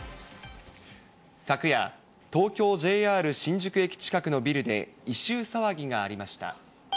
昨夜、東京・ＪＲ新宿駅近くのビルで、異臭騒ぎがありました。